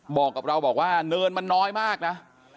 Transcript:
บอกกับเราบอกว่าเนินมันน้อยมากนะ